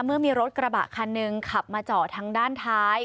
เมื่อมีรถกระบะคันหนึ่งขับมาจอดทางด้านท้าย